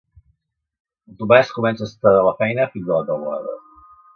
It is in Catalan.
El Tomàs comença a estar de la feina fins a la teulada.